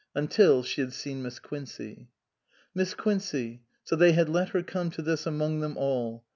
Until she had seen Miss Quincey. Miss Quincey so they had let her come to this among them all